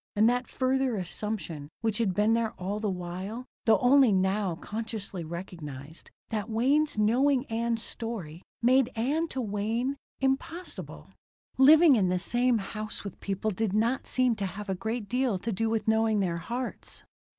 And that further assumption, which had been there all the while, though only now consciously recognized, that Wayne's knowing Ann's story, made Ann, to Wayne, impossible Living in the same house with people did not seem to have a great deal to do with knowing their hearts.